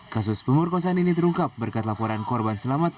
kasus pemerkosaan ini terungkap berkat laporan korban selamat